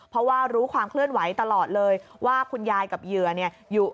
เพราะว่ารู้ความเคลื่อนไหวตลอดเลยว่าคุณยายกับเหยื่อเนี่ยอยู่